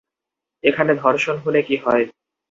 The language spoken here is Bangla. ‘এখানে ধর্ষণ হলে কী হয়?’